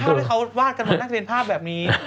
เขาวาดกันบนนักเรียนภาพแบบนี้